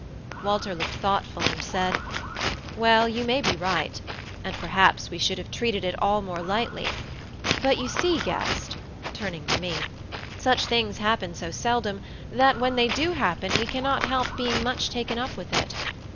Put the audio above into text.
Walter looked thoughtful, and said: "Well, you may be right; and perhaps we should have treated it all more lightly: but you see, guest" (turning to me), "such things happen so seldom, that when they do happen, we cannot help being much taken up with it.